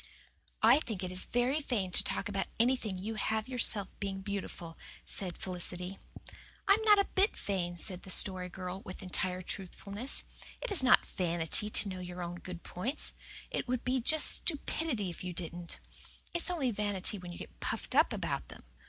"I think it is very vain to talk about anything you have yourself being beautiful," said Felicity. "I am not a bit vain," said the Story Girl, with entire truthfulness. "It is not vanity to know your own good points. It would just be stupidity if you didn't. It's only vanity when you get puffed up about them.